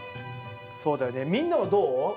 そうだよね、みんなはどう？